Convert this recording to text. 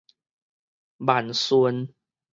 萬順